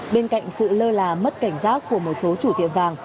bên cạnh sự lơ là mất cảnh giác của một số chủ tiệm vàng